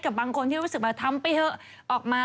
บางคนที่รู้สึกว่าทำไปเถอะออกมา